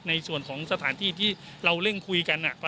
ในส่วนของสถานที่ที่เราเร่งคุยกัน